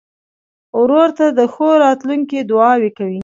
ورور ته د ښو راتلونکو دعاوې کوې.